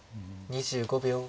２５秒。